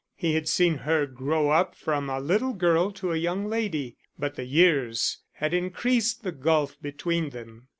He had seen her grow up from a little girl to a young lady, but the years had increased the gulf between them.